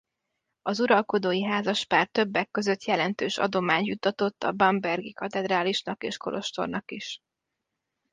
Az uralkodói házaspár többek között jelentős adományt juttatott a bamberg-i katedrálisnak és kolostornak is.